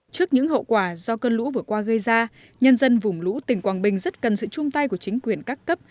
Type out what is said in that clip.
trước những hậu quả do cơn lũ vừa qua gây ra nhân dân vùng lũ tỉnh quảng bình rất cần sự chung tay của chính quyền các cấp